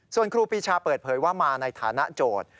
ส่วนครูปีชาเปิดเผยว่ามาในฐานะโจทย์